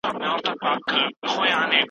خو د هغې درس زموږ په زړونو کې لیکل شو.